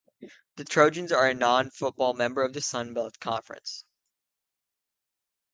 The Trojans are a non-football member of the Sun Belt Conference.